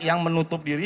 yang menutup diri